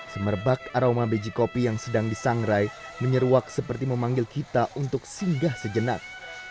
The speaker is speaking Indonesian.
semerbak aroma biji kopi yang sedang disangrai menyeruak seperti memanggil kita untuk singgah sejenak